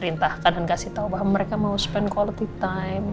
perintahkan dan kasih tahu bahwa mereka mau spend quality time